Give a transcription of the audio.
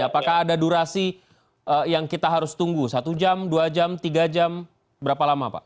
apakah ada durasi yang kita harus tunggu satu jam dua jam tiga jam berapa lama pak